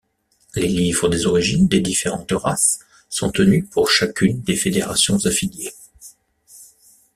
Les livres des origines des différentes races sont tenus par chacune des fédérations affiliées.